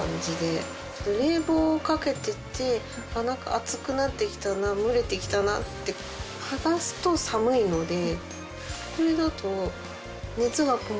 冷房をかけてて何か暑くなって来たな蒸れて来たなって剥がすと寒いので。